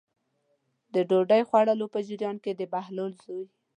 د ډوډۍ د خوړلو په جریان کې د بهلول زوی.